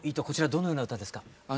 こちらどのような歌ですか？